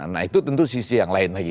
nah itu tentu sisi yang lain lagi